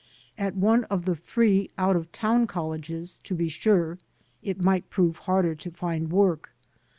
At one of the free .out of town colleges, to be sure, it might prove harder to find work.